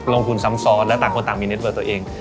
ลงทุนซ้ำซ้อนและต่างคนต่างมีเน็ตเบอร์ตัวเอง